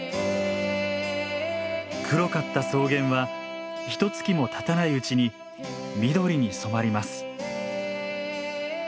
黒かった草原はひとつきもたたないうちに緑に染まります。